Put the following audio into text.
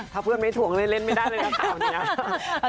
ถ้าเพื่อนไม่ถ่วงเล่นเล่นไม่ได้เลยนะครับ